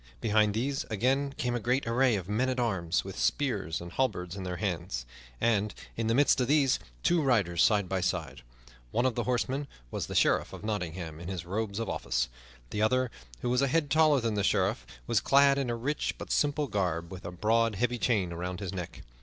Behind these again came a great array of men at arms, with spears and halberds in their hands, and, in the midst of these, two riders side by side. One of the horsemen was the Sheriff of Nottingham in his robes of office. The other, who was a head taller than the Sheriff, was clad in a rich but simple garb, with a broad, heavy chain about his neck.